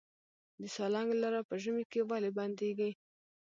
د سالنګ لاره په ژمي کې ولې بندیږي؟